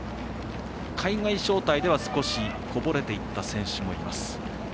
海外招待では少しこぼれていった選手もいます。